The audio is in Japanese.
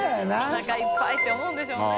おなかいっぱいって思うんでしょうね。